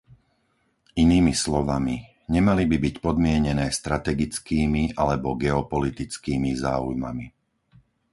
Inými slovami, nemali by byť podmienené strategickými alebo geopolitickými záujmami.